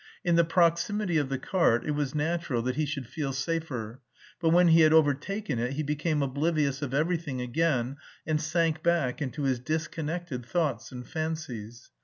In the proximity of the cart it was natural that he should feel safer, but when he had overtaken it he became oblivious of everything again and sank back into his disconnected thoughts and fancies.